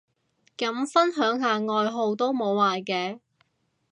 咁分享下愛好都無壞嘅